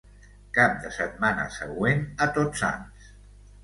Cap de setmana següent a Tot Sants.